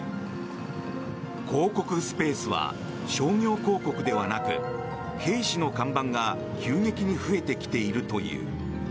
広告スペースは商業広告ではなく兵士の看板が急激に増えてきているという。